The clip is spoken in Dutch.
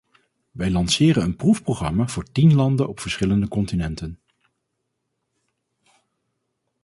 Wij lanceren een proefprogramma voor tien landen op verschillende continenten.